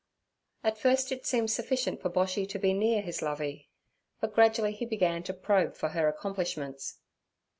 At first it seemed sufficient for Boshy to be near his Lovey, but gradually he began to probe for her accomplishments.